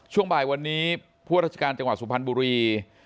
ช่วงบ่ายวันนี้ผู้ราชการจังหวัดสุพรรณบุรี